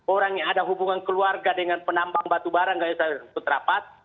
orang yang ada hubungan keluarga dengan penambang batu bara tidak harus ikut rapat